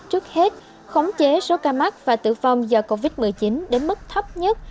trước hết khống chế số ca mắc và tử vong do covid một mươi chín đến mức thấp nhất